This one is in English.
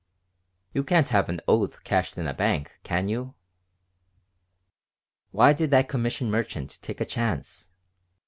"You can't have an oath cashed in a bank, can you?" "Why did that commission merchant take a chance?